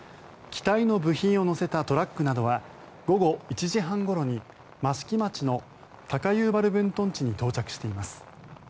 機体の部品を載せたトラックなどは午後１時半ごろに益城町の高遊原分屯地に到着しています。